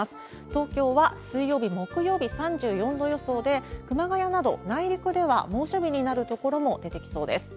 東京は水曜日、木曜日、３４度予想で、熊谷など、内陸では猛暑日になる所も出てきそうです。